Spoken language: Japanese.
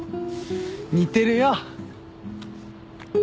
似てるよ。